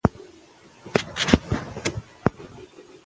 نه تکرارېدونکې زېرمې وروسته له ګټې اخیستنې پای ته رسیږي.